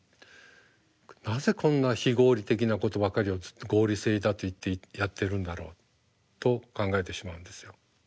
なぜこんな非合理的なことばかりをずっと合理性だと言ってやってるんだろうと考えてしまうんですよ。